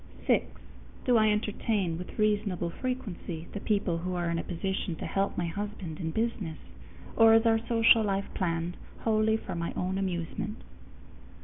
_6. Do I entertain with reasonable frequency the people who are in a position to help my husband in business, or is our social life planned wholly for my own amusement?